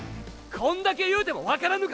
こんだけ言うても分からんのか。